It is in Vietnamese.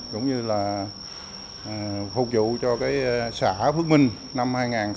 cũng như là phục vụ cho xã phước minh năm hai nghìn hai mươi